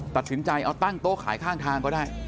ตัดสินใจเอาตั้งโต๊ะขายข้างทางก็ได้